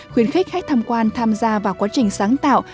khuyến khích khách tham quan tham gia vào quá trình sáng tạo